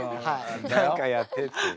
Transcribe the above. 何かやってっていう。